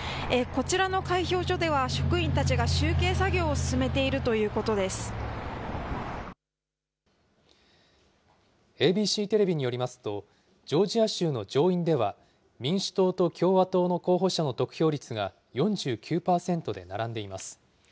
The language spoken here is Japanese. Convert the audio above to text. こちらの開票所では、職員たちが集計作業を進めているということＡＢＣテレビによりますと、ジョージア州の上院では、民主党と共和党の候補者の得票率が４９％で並んでいます。